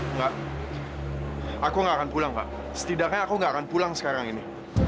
enggak aku gak akan pulang kak setidaknya aku gak akan pulang sekarang ini